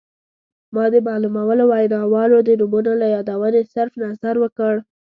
ما د معلومو ویناوالو د نومونو له یادونې صرف نظر وکړ.